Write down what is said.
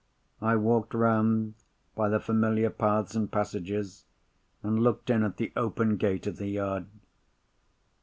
I walked round by the familiar paths and passages, and looked in at the open gate of the yard.